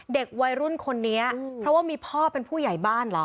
เด็กวัยรุ่นคนนี้เพราะว่ามีพ่อเป็นผู้ใหญ่บ้านเหรอ